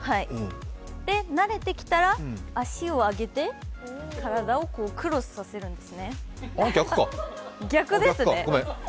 慣れてきたら足を上げて、体をクロスさせるんですね。